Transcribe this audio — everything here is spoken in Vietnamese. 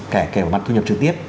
kể cả mặt thu nhập trực tiếp